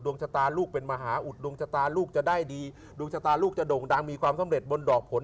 ชะตาลูกเป็นมหาอุดดวงชะตาลูกจะได้ดีดวงชะตาลูกจะโด่งดังมีความสำเร็จบนดอกผล